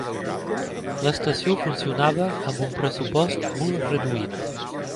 L'estació funcionava amb un pressupost molt reduït.